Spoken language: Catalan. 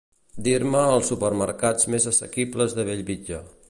Dir-me els supermercats més assequibles de Bellvitge.